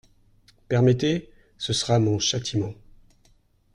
Permettez… ce sera mon châtiment.